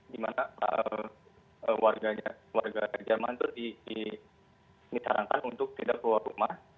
di mana warga jerman itu disarankan untuk tidak keluar rumah